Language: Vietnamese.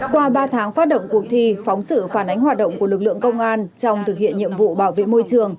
qua ba tháng phát động cuộc thi phóng sự phản ánh hoạt động của lực lượng công an trong thực hiện nhiệm vụ bảo vệ môi trường